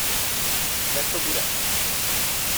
Hned to bude.